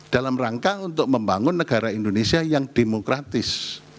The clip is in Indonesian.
dalam rangka untuk membangun negara indonesia yang demokratis